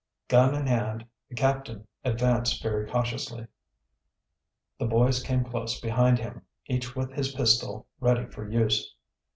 Gun in hand, the captain advanced very cautiously. The boys came close behind him, each with his pistol ready for use.